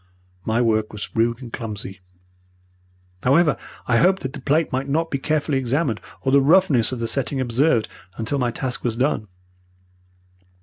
My work was rude and clumsy. However, I hoped that the plate might not be carefully examined, or the roughness of the setting observed, until my task was done.